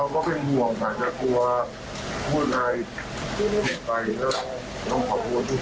เพราะว่าละสิมันจะเปลี่ยนคุณนะ